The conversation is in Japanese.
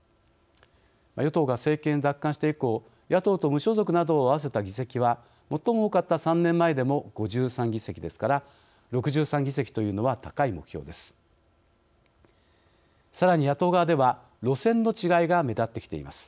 与党が政権奪還して以降野党と無所属などを合わせた議席は最も多かった３年前でも５３議席ですから６３議席というのは高い目標です。